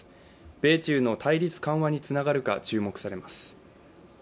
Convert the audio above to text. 米中の対立緩和につながるか注目されます。